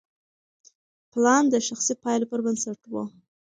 پلان د شخصي پایلو پر بنسټ و.